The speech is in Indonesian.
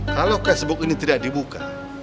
kalau facebook ini tidak dibuka